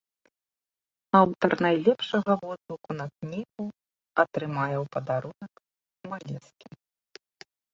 Аўтар найлепшага водгуку на кнігу атрымае ў падарунак малескін.